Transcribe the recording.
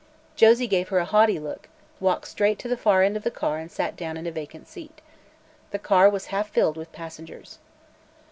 Josie gave her a haughty look, walked straight to the far end of the car and sat down in a vacant seat. The car was half filled with passengers.